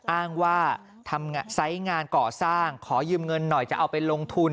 อ้างว่าทำไซส์งานก่อสร้างขอยืมเงินหน่อยจะเอาไปลงทุน